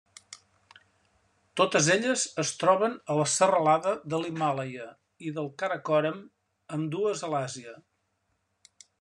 Totes elles es troben a la serralada de l'Himàlaia i del Karakoram, ambdues a l'Àsia.